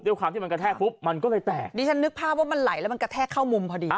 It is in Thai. ด้วยความที่มันกระแทกปุ๊บมันก็เลยแตกดิฉันนึกภาพว่ามันไหลแล้วมันกระแทกเข้ามุมพอดี